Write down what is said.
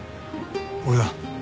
俺だ。